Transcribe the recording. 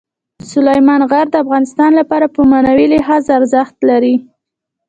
سلیمان غر د افغانانو لپاره په معنوي لحاظ ارزښت لري.